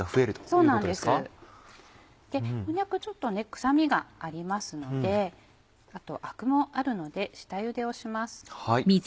こんにゃくちょっと臭みがありますのであとアクもあるので下ゆでをします。